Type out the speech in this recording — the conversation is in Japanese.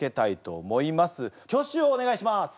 挙手をお願いします。